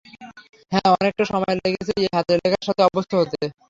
হ্যাঁ, অনেকটা সময় লেগেছে এই হাতের লেখার সাথে অভ্যস্ত হতে।